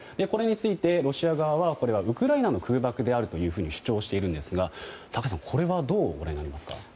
これについて、ロシア側はこれはウクライナの空爆であるというふうに主張しているんですが高橋さんこれはどうご覧になりますか？